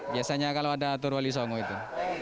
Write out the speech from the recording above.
biasanya kalau ada atur wali songo itu